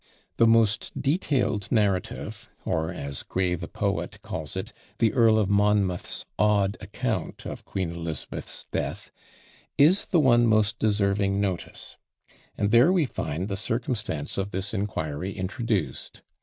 The most detailed narrative, or as Gray the poet calls it, "the Earl of Monmouth's odd account of Queen Elizabeth's death," is the one most deserving notice; and there we find the circumstance of this inquiry introduced.